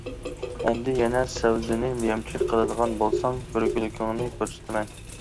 ئەمدى يەنە سەۋزىنى يەمچۈك قىلىدىغان بولساڭ كۆرگۈلۈكۈڭنى كۆرسىتىمەن!